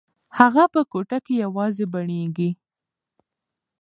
هغه په کوټه کې یوازې بڼیږي.